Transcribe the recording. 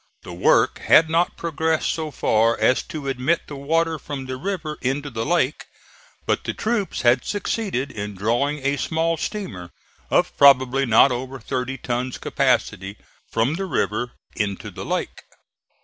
The work had not progressed so far as to admit the water from the river into the lake, but the troops had succeeded in drawing a small steamer, of probably not over thirty tons' capacity, from the river into the lake.